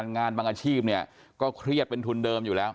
งานบางอาชีพเนี่ยก็เครียดเป็นทุนเดิมอยู่แล้ว